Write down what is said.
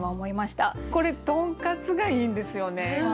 これ「とんかつ」がいいんですよね。